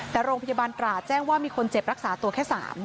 แต่โรงพยาบาลตราดแจ้งว่ามีคนเจ็บรักษาตัวแค่๓